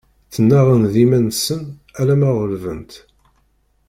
Ttenaɣen d yiman-nsen alamma ɣelben-tt.